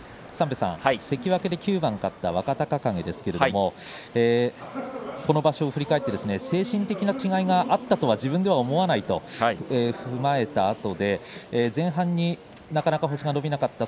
関脇で９番勝った若隆景ですけれどもこの場所を振り返って精神的な違いがあったとは自分で思わないと踏まえたうえで前半になかなか星が伸びなかった。